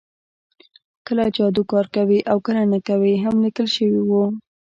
کله جادو کار کوي او کله نه کوي هم لیکل شوي وو